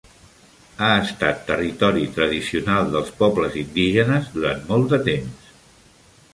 Ha estat territori tradicional dels pobles indígenes durant molt de temps.